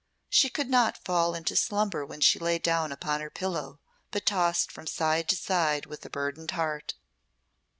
She could not fall into slumber when she lay down upon her pillow, but tossed from side to side with a burdened heart.